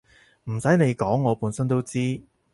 唔使你講我本身都知